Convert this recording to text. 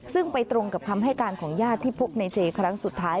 ซึ่งไปตรงกับคำให้การของญาติที่พบในเจครั้งสุดท้าย